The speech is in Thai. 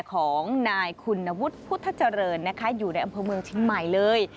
ของนายคุณวุฒิพุทธเจริญนะคะอยู่ในอำเภอเมืองเชียงใหม่เลย